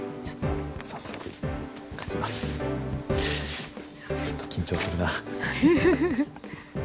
ちょっと緊張するな。